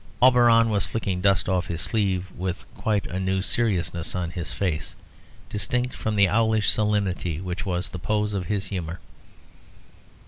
Auberon was flicking dust off his sleeve with quite a new seriousness on his face, distinct from the owlish solemnity which was the pose of his humour.